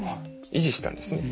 維持したんですね。